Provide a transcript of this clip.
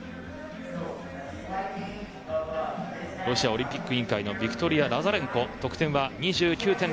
ロシアオリンピック委員会のビクトリヤ・ラザレンコ得点は２９．６５。